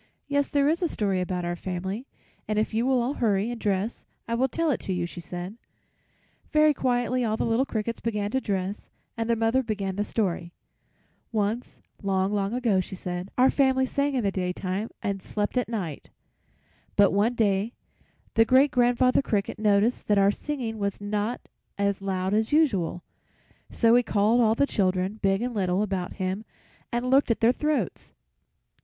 "Yes, there is a story about our family, and if you will all hurry and dress I will tell it to you," she said. Very quietly all the little crickets began to dress, and their mother began the story: "Once, long, long ago," she said, "our family sang in the daytime and slept at night; but one day the Great grandfather Cricket noticed that our singing was not as loud as usual, so he called all the children, big and little, about him and looked at their throats.